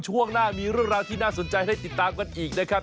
ช่วงหน้ามีเรื่องราวที่น่าสนใจให้ติดตามกันอีกนะครับ